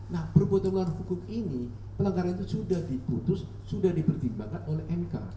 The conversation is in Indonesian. nah perbuatan hukum ini pelanggaran itu sudah diputus sudah dipertimbangkan oleh mk